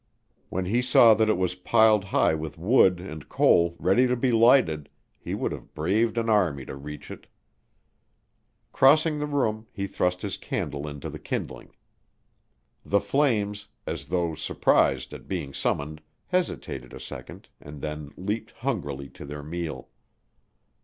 When he saw that it was piled high with wood and coal ready to be lighted, he would have braved an army to reach it. Crossing the room, he thrust his candle into the kindling. The flames, as though surprised at being summoned, hesitated a second and then leaped hungrily to their meal.